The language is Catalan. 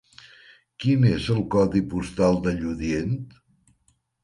Quin és el codi postal de Lludient?